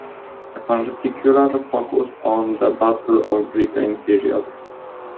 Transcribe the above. A particular focus is the Battle of Britain period.